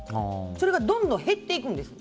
それがどんどん減っていくんです。